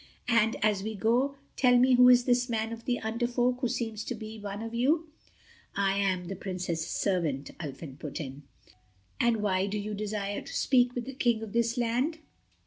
And as we go, tell me who is this man of the Under Folk who seems to be one of you"—("I am the Princess' servant," Ulfin put in)—"and why you desire to speak with the King of this land."